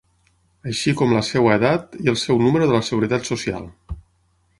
Així com la seva edat i el seu número de la Seguretat Social.